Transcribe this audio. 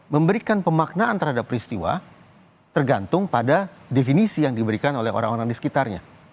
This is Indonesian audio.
memberikan pemaknaan terhadap peristiwa tergantung pada definisi yang diberikan oleh orang orang di sekitarnya